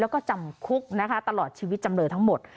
แล้วก็จำคุกนะคะตลอดชีวิตจำเลยทั้งหมด